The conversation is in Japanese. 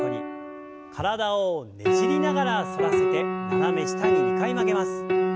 体をねじりながら反らせて斜め下に２回曲げます。